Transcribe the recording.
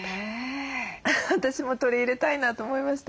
私も取り入れたいなと思いました。